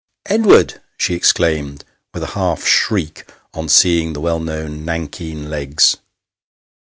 " Edward !" she exclaimed, with a half shriek, on seeing the well known nankeen legs.